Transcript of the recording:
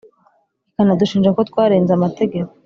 ikanadushinja ko twarenze Amategeko,